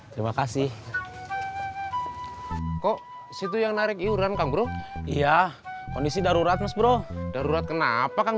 terima kasih kok situ yang narik iuran kang bro iya kondisi darurat mas bro darurat kenapa kang